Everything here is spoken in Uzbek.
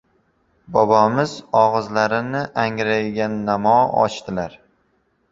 Bobomiz og‘izlarini angraygannamo ochdilar.